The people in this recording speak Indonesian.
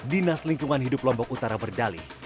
dinas lingkungan hidup lombok utara berdali